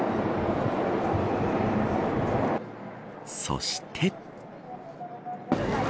そして。